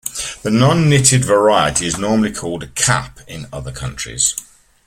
The non-knitted variety is normally called a "cap" in other countries.